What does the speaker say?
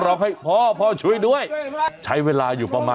ช่วยเจียมช่วยเจียม